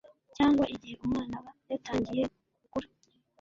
cyangwa igihe umwana aba yatangiye gukura